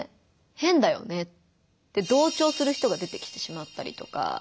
変だよね」って同調する人が出てきてしまったりとか。